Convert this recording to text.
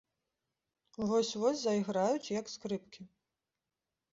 Вось-вось зайграюць, як скрыпкі.